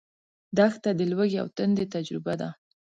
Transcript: دښته د لوږې او تندې تجربه ده.